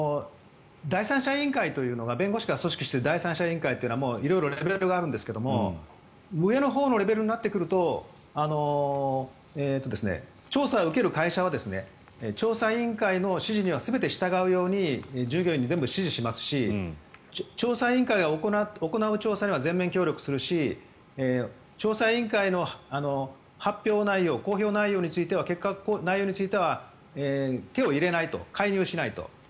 弁護士が組織している第三者委員会というのは色々レベルがあるんですが上のほうのレベルになってくると調査を受ける会社は調査委員会の指示には全て従うように従業員に指示しますし調査委員会が行う調査には全面協力するし調査委員会の発表内容公表内容については結果、内容については手を入れないと介入しないと。